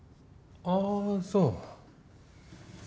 あぁそう。